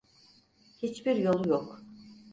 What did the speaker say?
Hiçbir yolu yok.